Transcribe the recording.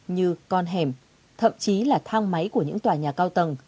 như con hẻm thậm chí là thang máy của những tòa nhà cao tầng